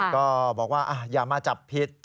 ก็บอกว่าอย่ามาจับผิด